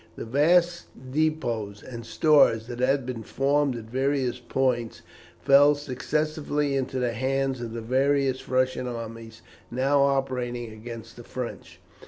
The vast depôts and stores that had been formed at various points fell successively into the hands of the various Russian armies now operating against the French.